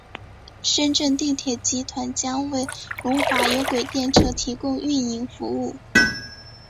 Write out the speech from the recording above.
深圳地铁集团将为龙华有轨电车提供运营服务。